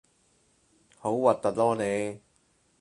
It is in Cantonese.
好核突囉你